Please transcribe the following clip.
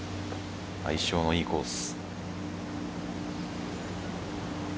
相性のいいコース。